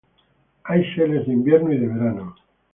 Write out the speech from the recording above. Hay seles de invierno y de verano.